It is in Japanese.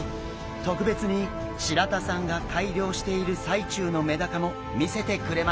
特別に白田さんが改良している最中のメダカも見せてくれました！